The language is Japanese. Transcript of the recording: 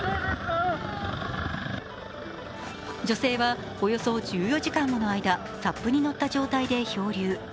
女性はおよそ１４時間もの間、ＳＵＰに乗った状態で漂流。